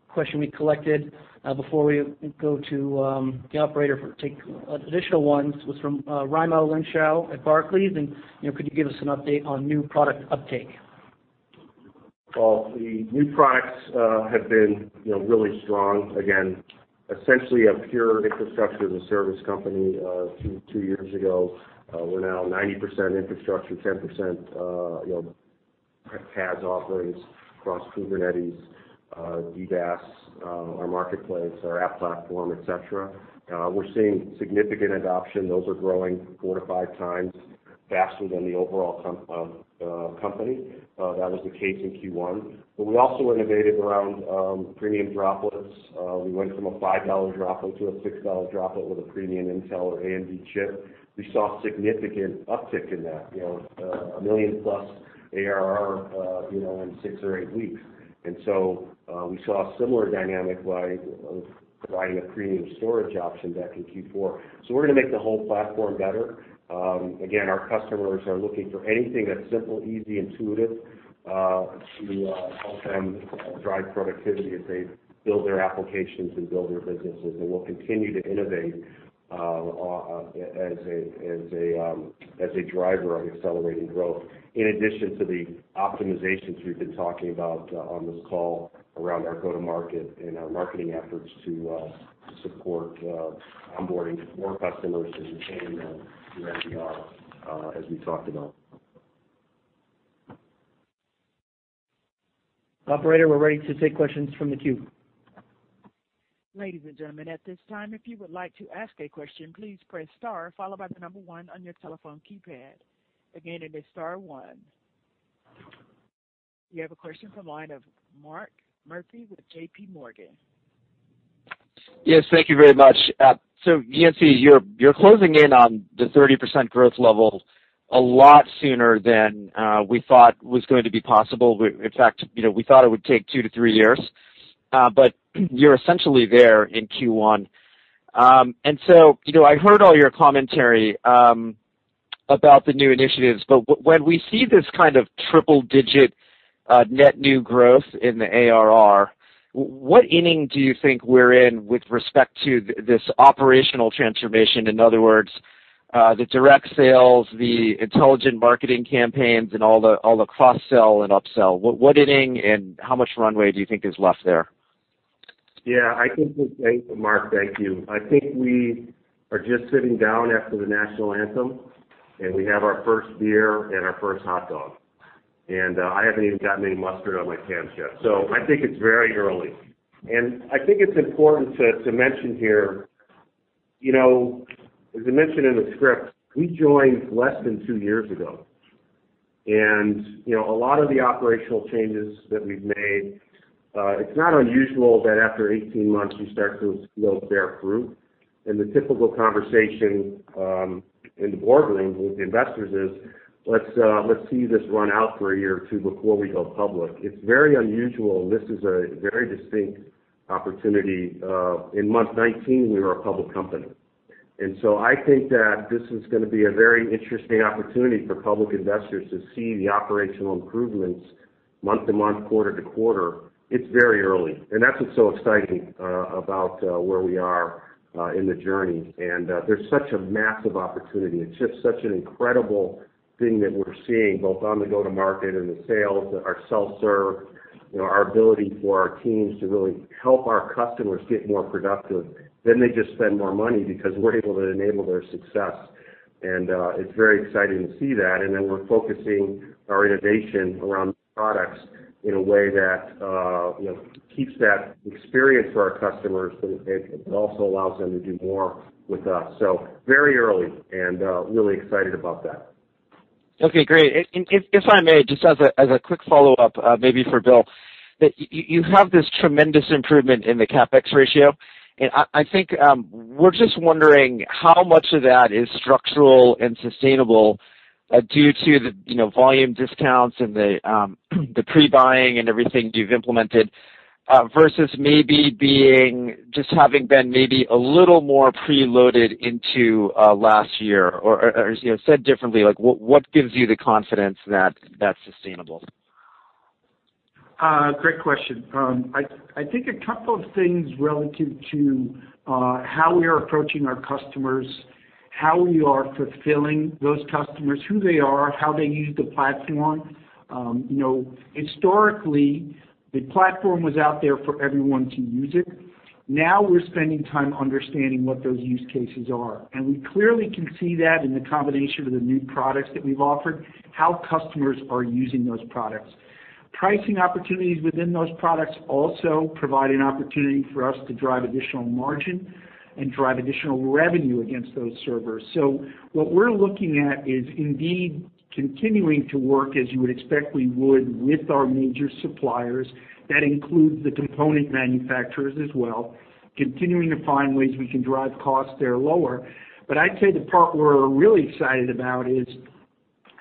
question we collected before we go to the operator for take additional ones was from Raimo Lenschow at Barclays. Could you give us an update on new product uptake? The new products have been really strong. Again, essentially a pure infrastructure as a service company two years ago. We are now 90% infrastructure, 10% PaaS offerings across Kubernetes, DBaaS, our Marketplace, our App Platform, et cetera. We are seeing significant adoption. Those are growing four to five times faster than the overall company. That was the case in Q1. We also innovated around Premium Droplets. We went from a $5 Droplet to a $6 Droplet with a premium Intel or AMD chip. We saw significant uptick in that, $1+ million ARR in six or eight weeks. We saw a similar dynamic by providing a premium storage option back in Q4. We are going to make the whole platform better. Our customers are looking for anything that is simple, easy, intuitive to help them drive productivity as they build their applications and build their businesses. We'll continue to innovate as a driver of accelerating growth, in addition to the optimizations we've been talking about on this call around our go-to-market and our marketing efforts to support onboarding more customers and retaining them through NDR, as we talked about. Operator, we're ready to take questions from the queue. We have a question from line of Mark Murphy with JPMorgan. Yes. Thank you very much. Yancey, you're closing in on the 30% growth level a lot sooner than we thought was going to be possible. In fact, we thought it would take two to three years. You're essentially there in Q1. I heard all your commentary about the new initiatives, but when we see this kind of triple-digit net new growth in the ARR, what inning do you think we're in with respect to this operational transformation? In other words, the direct sales, the intelligent marketing campaigns, and all the cross-sell and upsell. What inning and how much runway do you think is left there? Mark, thank you. I think we are just sitting down after the national anthem, we have our first beer and our first hot dog. I haven't even gotten any mustard on my pants yet. I think it's very early. I think it's important to mention here, as I mentioned in the script, we joined less than two years ago. A lot of the operational changes that we've made, it's not unusual that after 18 months, you start to bear fruit. The typical conversation in the boardroom with investors is, "Let's see this run out for a year or two before we go public." It's very unusual. This is a very distinct opportunity. In month 19, we were a public company. I think that this is going to be a very interesting opportunity for public investors to see the operational improvements month to month, quarter to quarter. It's very early, and that's what's so exciting about where we are in the journey. There's such a massive opportunity. It's just such an incredible thing that we're seeing, both on the go-to-market and the sales, our self-serve, our ability for our teams to really help our customers get more productive. Then they just spend more money because we're able to enable their success, and it's very exciting to see that. Then we're focusing our innovation around products in a way that keeps that experience for our customers, but it also allows them to do more with us. Very early and really excited about that. Okay, great. If I may, just as a quick follow-up, maybe for Bill, that you have this tremendous improvement in the CapEx ratio. I think we're just wondering how much of that is structural and sustainable due to the volume discounts and the pre-buying and everything you've implemented, versus maybe being, just having been maybe a little more pre-loaded into last year. Said differently, what gives you the confidence that that's sustainable? Great question. I think a couple of things relative to how we are approaching our customers, how we are fulfilling those customers, who they are, how they use the platform. Historically, the platform was out there for everyone to use it. We're spending time understanding what those use cases are, and we clearly can see that in the combination of the new products that we've offered, how customers are using those products. Pricing opportunities within those products also provide an opportunity for us to drive additional margin and drive additional revenue against those servers. What we're looking at is indeed continuing to work as you would expect we would with our major suppliers. That includes the component manufacturers as well, continuing to find ways we can drive costs there lower. I'd say the part we're really excited about is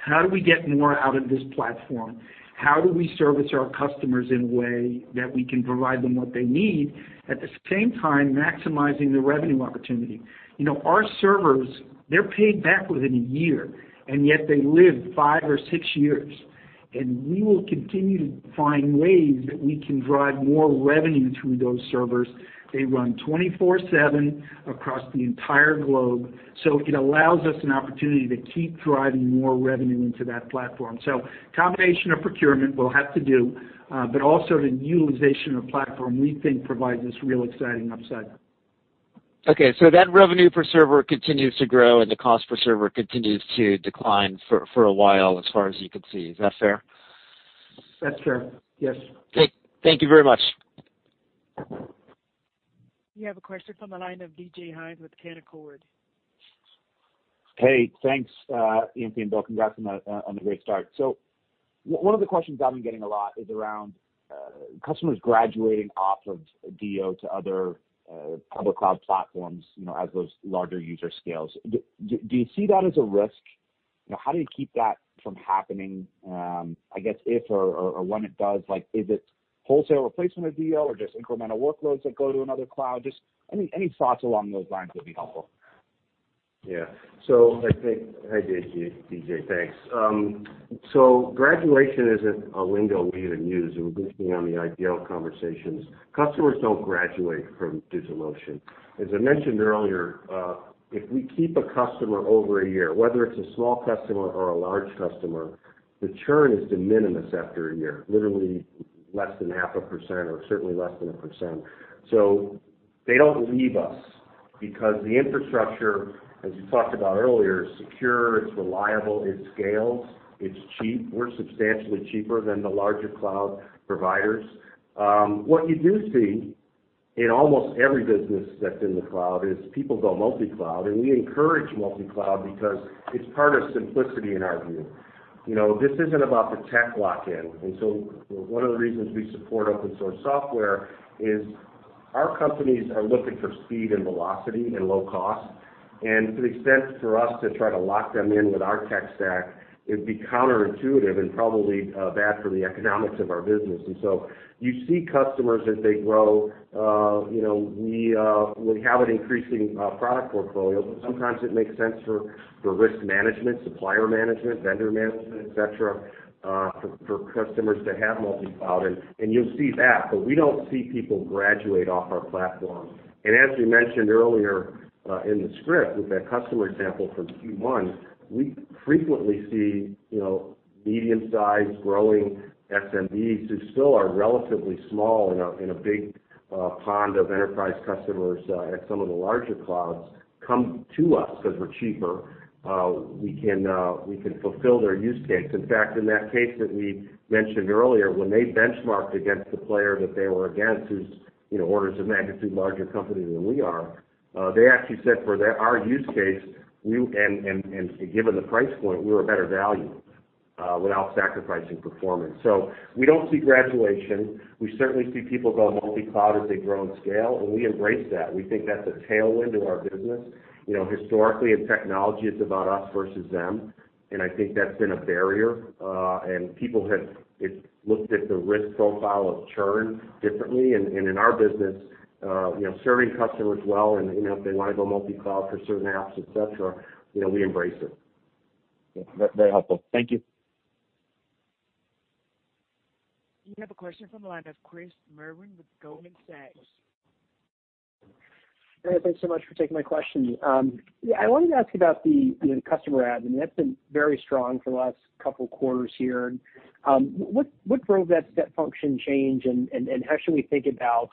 how do we get more out of this platform? How do we service our customers in a way that we can provide them what they need, at the same time, maximizing the revenue opportunity? Our servers, they're paid back within one year, and yet they live five or six years, and we will continue to find ways that we can drive more revenue through those servers. They run 24/7 across the entire globe. It allows us an opportunity to keep driving more revenue into that platform. Combination of procurement will have to do, but also the utilization of platform, we think, provides this real exciting upside. Okay, that revenue per server continues to grow, and the cost per server continues to decline for a while as far as you can see. Is that fair? That's fair. Yes. Okay. Thank you very much. We have a question from the line of DJ Hynes with Canaccord. Hey, thanks, Yancey and Bill. Congrats on the great start. One of the questions I've been getting a lot is around customers graduating off of DigitalOcean to other public cloud platforms as those larger user scales. Do you see that as a risk? How do you keep that from happening? I guess if or when it does, is it wholesale replacement of DigitalOcean or just incremental workloads that go to another cloud? Just any thoughts along those lines would be helpful. Yeah. I think Hey, DJ. Thanks. Graduation isn't a lingo we even use, at least beyond the ideal conversations. Customers don't graduate from DigitalOcean. As I mentioned earlier, if we keep a customer over a year, whether it's a small customer or a large customer, the churn is de minimis after a year, literally less than half a percent or certainly less than a percent. They don't leave us because the infrastructure, as you talked about earlier, is secure, it's reliable, it scales, it's cheap. We're substantially cheaper than the larger cloud providers. What you do see in almost every business that's in the cloud is people go multi-cloud, and we encourage multi-cloud because it's part of simplicity in our view. This isn't about the tech lock-in. One of the reasons we support open source software is our companies are looking for speed and velocity and low cost. To the extent for us to try to lock them in with our tech stack, it'd be counterintuitive and probably bad for the economics of our business. You see customers as they grow. We have an increasing product portfolio, but sometimes it makes sense for risk management, supplier management, vendor management, et cetera, for customers to have multi-cloud, and you'll see that, but we don't see people graduate off our platform. As we mentioned earlier in the script with that customer example from Q1, we frequently see medium-sized growing SMBs who still are relatively small in a big pond of enterprise customers at some of the larger clouds come to us because we're cheaper. We can fulfill their use case. In fact, in that case that we mentioned earlier, when they benchmarked against the player that they were against who's orders of magnitude larger company than we are, they actually said for our use case, and given the price point, we're a better value. Without sacrificing performance. We don't see graduation. We certainly see people go multi-cloud as they grow in scale, and we embrace that. We think that's a tailwind to our business. Historically, in technology, it's about us versus them, and I think that's been a barrier. People have looked at the risk profile of churn differently. In our business, serving customers well, and if they want to go multi-cloud for certain apps, et cetera, we embrace it. Very helpful. Thank you. You have a question from the line of Chris Merwin with Goldman Sachs. Hey, thanks so much for taking my question. I wanted to ask about the customer add. I mean, that's been very strong for the last couple quarters here. What drove that step function change, and how should we think about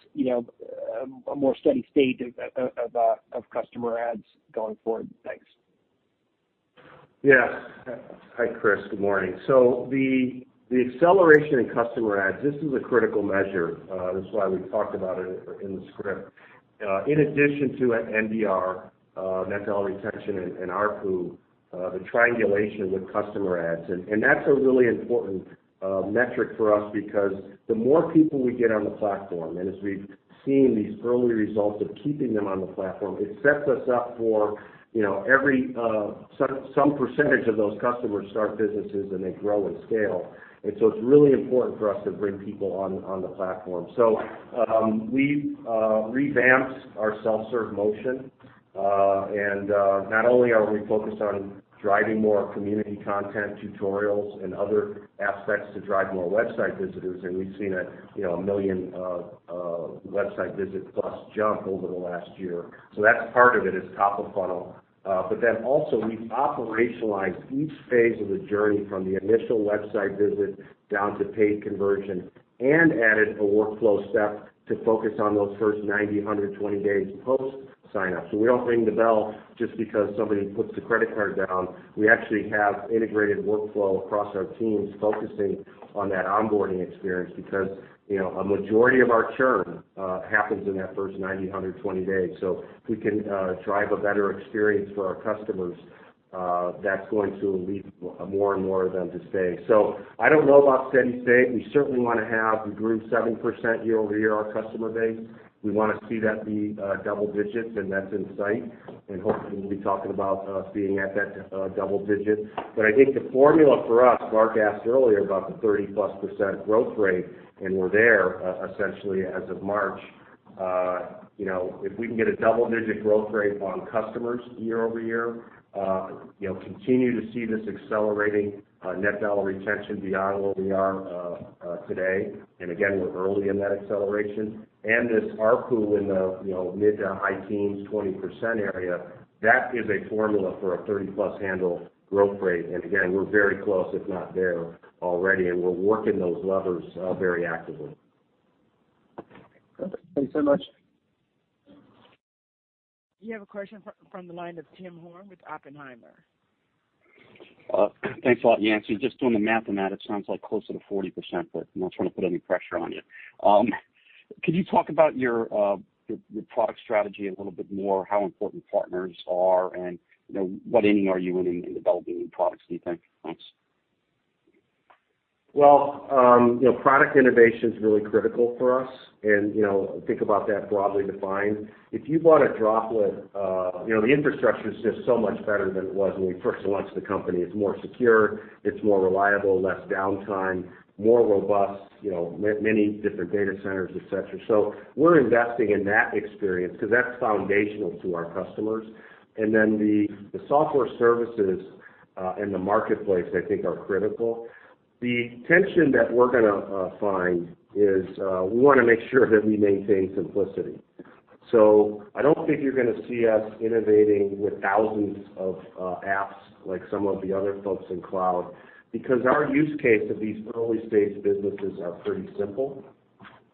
a more steady state of customer adds going forward? Thanks. Yes. Hi, Chris. Good morning. The acceleration in customer adds, this is a critical measure. That's why we talked about it in the script. In addition to NDR, net dollar retention, and ARPU, the triangulation with customer adds. That's a really important metric for us because the more people we get on the platform, and as we've seen these early results of keeping them on the platform, it sets us up for some percentage of those customers start businesses, and they grow and scale. It's really important for us to bring people on the platform. We've revamped our self-serve motion. Not only are we focused on driving more community content tutorials and other aspects to drive more website visitors, and we've seen a 1 million website visit plus jump over the last year. That's part of it is top of funnel. Also we've operationalized each phase of the journey from the initial website visit down to paid conversion and added a workflow step to focus on those first 90, 120 days post sign up. We don't ring the bell just because somebody puts the credit card down. We actually have integrated workflow across our teams focusing on that onboarding experience because a majority of our churn happens in that first 90, 120 days. If we can drive a better experience for our customers, that's going to lead more and more of them to stay. I don't know about steady state. We certainly want to have. We grew 7% year-over-year our customer base. We want to see that be double digits, and that's in sight. Hopefully, we'll be talking about us being at that double digit. I think the formula for us, Mark Murphy asked earlier about the 30%+ growth rate. We're there, essentially as of March. If we can get a double-digit growth rate on customers year-over-year, continue to see this accelerating net dollar retention beyond where we are today. Again, we're early in that acceleration, and this ARPU in the mid-to-high teens, 20% area, that is a formula for a 30%+ handle growth rate. Again, we're very close, if not there already, and we're working those levers very actively. Perfect. Thanks so much. You have a question from the line of Tim Horan with Oppenheimer. Thanks a lot, Yancey. Just doing the math on that, it sounds like closer to 40%, but I'm not trying to put any pressure on you. Could you talk about your product strategy a little bit more, how important partners are, and what inning are you in developing new products, do you think? Thanks. Well, product innovation is really critical for us, and think about that broadly defined. If you bought a Droplet, the infrastructure is just so much better than it was when we first launched the company. It's more secure, it's more reliable, less downtime, more robust, many different data centers, et cetera. We're investing in that experience because that's foundational to our customers. The software services and the Marketplace, I think, are critical. The tension that we're going to find is we want to make sure that we maintain simplicity. I don't think you're going to see us innovating with thousands of apps like some of the other folks in cloud, because our use case of these early-stage businesses are pretty simple.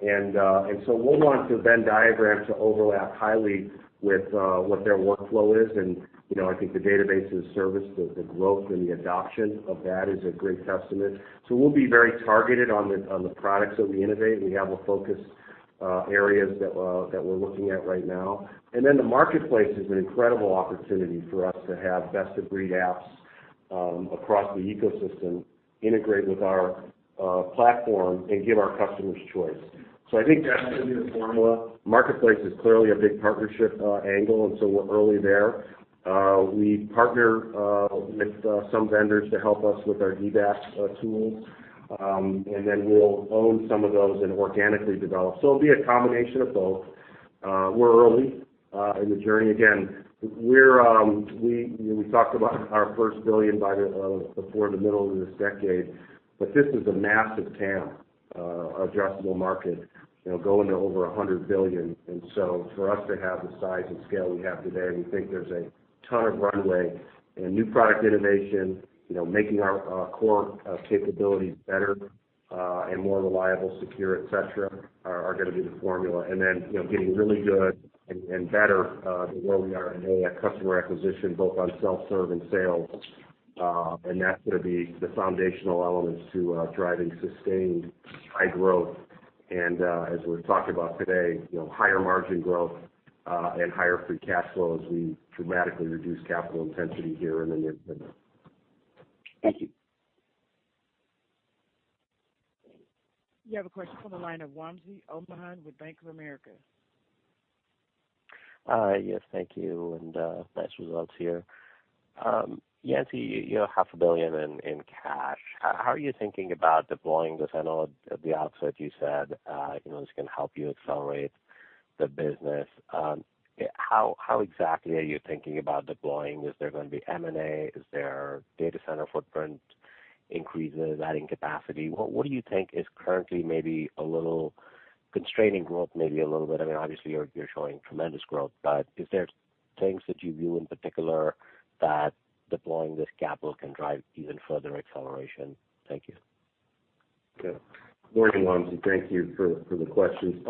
We'll want the Venn diagram to overlap highly with what their workflow is, and I think the Managed Databases, the growth, and the adoption of that is a great testament. We'll be very targeted on the products that we innovate, and we have focus areas that we're looking at right now. The Marketplace is an incredible opportunity for us to have best-of-breed apps across the ecosystem integrate with our platform and give our customers choice. I think that's going to be the formula. Marketplace is clearly a big partnership angle, we're early there. We partner with some vendors to help us with our DBaaS tools, we'll own some of those and organically develop. It'll be a combination of both. We're early in the journey. We talked about our first billion before the middle of this decade, but this is a massive TAM, addressable market, going to over $100 billion. For us to have the size and scale we have today, we think there's a ton of runway and new product innovation, making our core capabilities better and more reliable, secure, et cetera, are going to be the formula. Getting really good and better than where we are today at customer acquisition, both on self-serve and sales. That's going to be the foundational elements to driving sustained high growth. As we're talking about today, higher margin growth and higher free cash flow as we dramatically reduce capital intensity here in the near term. Thank you. We have a question on the line of Wamsi Mohan with Bank of America. Yes, thank you, and nice results here. Yancey, you have half a billion in cash. How are you thinking about deploying this? I know at the outset you said this can help you accelerate the business. How exactly are you thinking about deploying? Is there going to be M&A? Is there data center footprint increases, adding capacity? What do you think is currently maybe a little constraining growth maybe a little bit? Obviously, you're showing tremendous growth, but are there things that you view in particular that deploying this capital can drive even further acceleration? Thank you. Good morning, Wamsi. Thank you for the question.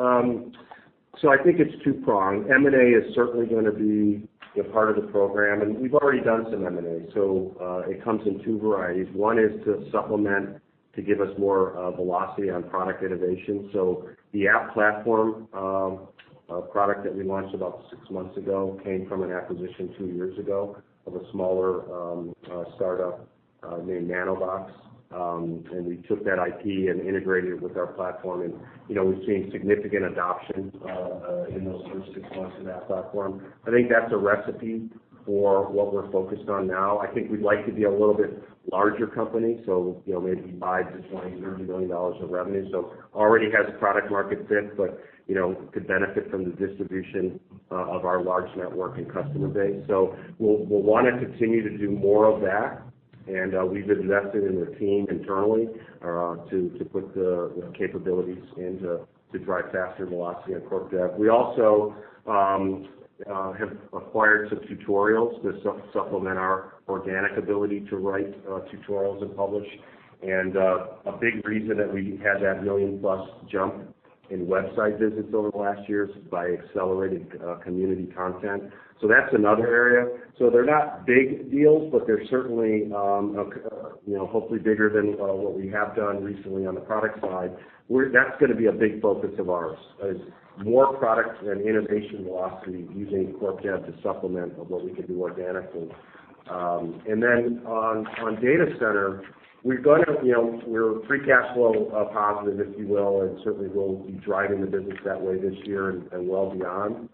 I think it's two-pronged. M&A is certainly going to be a part of the program, and we've already done some M&A. It comes in two varieties. One is to supplement to give us more velocity on product innovation. The App Platform, a product that we launched about six months ago, came from an acquisition two years ago of a smaller startup named Nanobox. We took that IP and integrated it with our platform, and we've seen significant adoption in those first six months of App Platform. I think that's a recipe for what we're focused on now. I think we'd like to be a little bit larger company, maybe $5 million-$20 million, $30 million of revenue. Already has a product market fit, but could benefit from the distribution of our large network and customer base. We'll want to continue to do more of that, and we've invested in the team internally to put the capabilities in to drive faster velocity on corp dev. We also have acquired some tutorials to supplement our organic ability to write tutorials and publish. A big reason that we had that million-plus jump in website visits over the last year is by accelerating community content. That's another area. They're not big deals, but they're certainly hopefully bigger than what we have done recently on the product side. That's going to be a big focus of ours, is more product and innovation velocity using corp dev to supplement what we can do organically. On data center, we're free cash flow positive, if you will, and certainly we'll be driving the business that way this year and well beyond.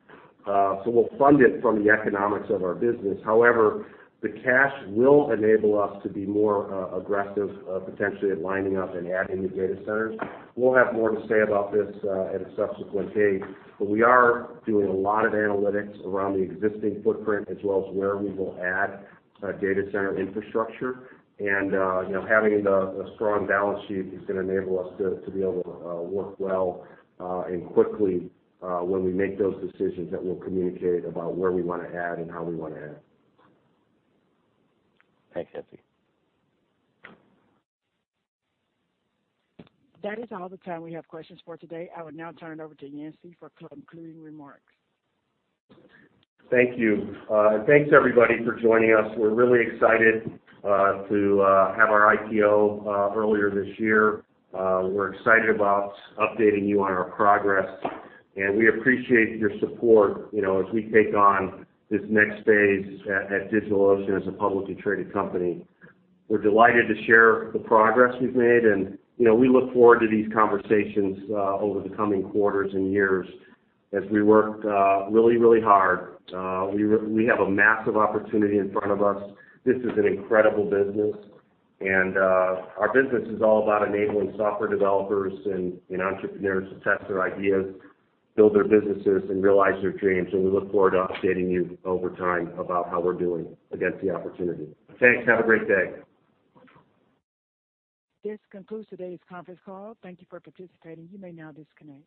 We'll fund it from the economics of our business. However, the cash will enable us to be more aggressive, potentially at lining up and adding the data centers. We'll have more to say about this at a subsequent date, but we are doing a lot of analytics around the existing footprint as well as where we will add data center infrastructure. Having a strong balance sheet is going to enable us to be able to work well and quickly when we make those decisions that we'll communicate about where we want to add and how we want to add. Thanks, Yancey. That is all the time we have questions for today. I would now turn it over to Yancey for concluding remarks. Thank you. Thanks everybody for joining us. We're really excited to have our IPO earlier this year. We're excited about updating you on our progress, and we appreciate your support as we take on this next phase at DigitalOcean as a publicly traded company. We're delighted to share the progress we've made, and we look forward to these conversations over the coming quarters and years as we work really hard. We have a massive opportunity in front of us. This is an incredible business, and our business is all about enabling software developers and entrepreneurs to test their ideas, build their businesses, and realize their dreams, and we look forward to updating you over time about how we're doing against the opportunity. Thanks. Have a great day. This concludes today's conference call. Thank you for participating. You may now disconnect.